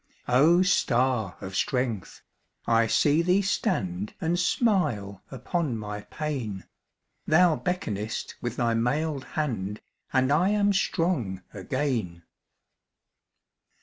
O star of strength! I see thee stand And smile upon my pain; Thou beckonest with thy mailed hand, And I am strong again.